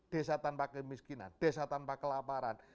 desa tanpa kemiskinan desa tanpa kelaparan